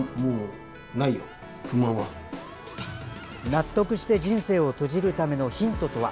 納得して人生を閉じるためのヒントとは。